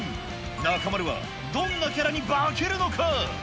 中丸はどんなキャラに化けるのか。